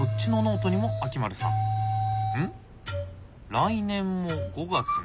「来年も５月３日」。